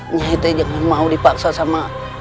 nyai tak mau dipaksa sama